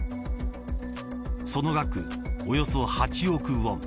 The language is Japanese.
その額、およそ８億ウォン。